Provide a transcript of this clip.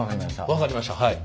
分かりましたはい。